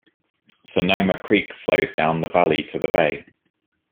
Sonoma Creek flows down the valley to the bay.